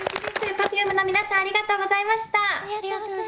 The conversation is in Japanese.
Ｐｅｒｆｕｍｅの皆さんありがとうございました。